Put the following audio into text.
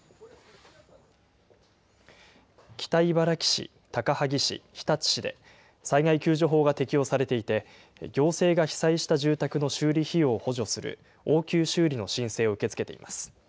北茨城市、高萩市、日立市で、災害救助法が適用されていて、行政が被災した住宅の修理費用を補助する、応急修理の申請を受け付けています。